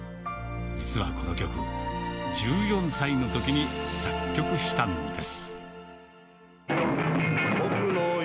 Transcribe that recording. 実はこの曲、１４歳のときに作曲したんです。